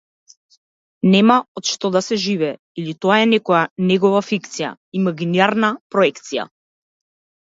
Нема од што да се живее, или тоа е некоја негова фикција, имагинарна проекција.